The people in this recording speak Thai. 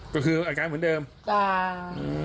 ก็คืออาการเหมือนเดิมจ้ะ